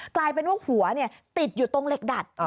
กลายเป็นว่าหัวติดอยู่ตรงเหล็กดัด